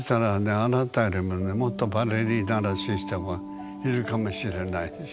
あなたよりもねもっとバレリーナらしい人がいるかもしれないし。